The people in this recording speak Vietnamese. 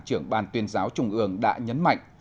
trưởng ban tuyên giáo trung ương đã nhấn mạnh